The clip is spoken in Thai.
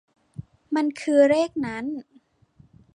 มันคือเลขนั้น